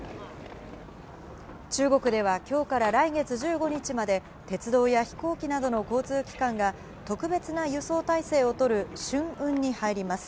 中国ではきょうから来月１５日まで、鉄道や飛行機などの交通機関が特別な輸送態勢を取る春運に入ります。